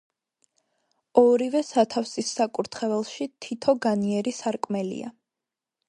ორივე სათავსის საკურთხეველში თითო განიერი სარკმელია.